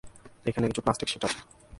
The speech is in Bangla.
এখানে কিছু প্লাস্টিক শিট আছে!